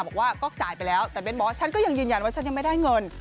บอกว่าก็จ่ายไปแล้วแต่เบ้นบอกว่าฉันก็ยังยืนยันว่าฉันยังไม่ได้เงิน